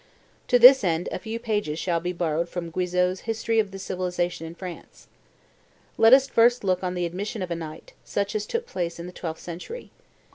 To this end a few pages shall be borrowed from Guizot's History of Civilization in France. Let us first look on at the admission of a knight, such as took place in the twelfth century.